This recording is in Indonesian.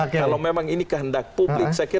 kalau memang ini kehendak publik